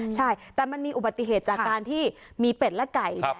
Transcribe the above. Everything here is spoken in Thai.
ใช่แต่มันมีอุบัติเหตุจากการที่มีเป็ดและไก่